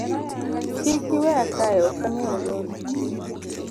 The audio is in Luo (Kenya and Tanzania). Kiki iweya kae ok angeyo yoni.